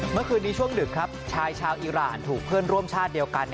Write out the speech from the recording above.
เมื่อคืนนี้ช่วงดึกครับชายชาวอีรานถูกเพื่อนร่วมชาติเดียวกัน